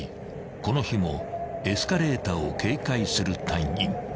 ［この日もエスカレーターを警戒する隊員］